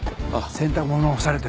洗濯物が干されてる。